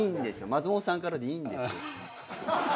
松本さんからでいいんですよ。